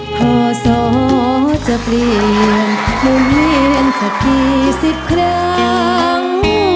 พศจะเปลี่ยนหุ่นเวียนสักกี่สิบครั้ง